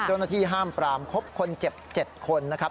จนที่ห้ามปรามครบคนเจ็บ๗คนนะครับ